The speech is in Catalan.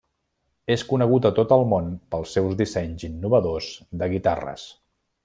És conegut a tot el món pels seus dissenys innovadors de guitarres.